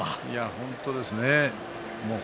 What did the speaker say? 本当ですね